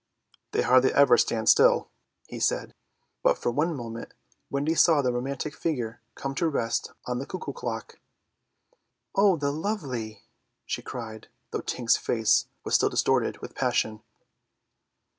"They hardly ever stand still," he said, but for one moment Wendy saw the romantic figure come to rest on the cuckoo clock. "O the lovely!" she cried, though Tink's face was still distorted with passion.